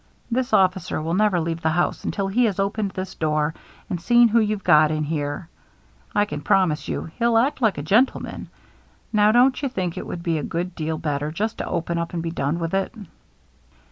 This officer will never leave the house until he has opened this door and seen who you've got in here. I can promise you he'll act like a gentleman. Now don't you think it would be a good deal better just to open up and be done with it